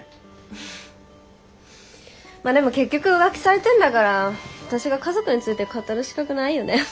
まあでも結局浮気されてんだから私が家族について語る資格ないよね。